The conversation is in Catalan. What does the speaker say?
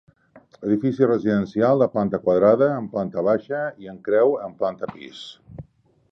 Edifici residencial de planta quadrada en planta baixa i en creu en planta pis.